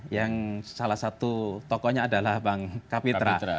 yang salah satu tokohnya adalah bang kapitra